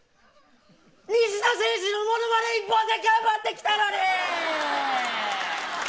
ニシダ選手のものまね一本で頑張ってきたのに。